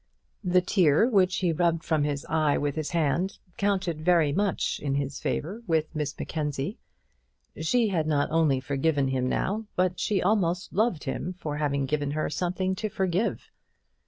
The tear which he rubbed from his eye with his hand counted very much in his favour with Miss Mackenzie; she had not only forgiven him now, but she almost loved him for having given her something to forgive.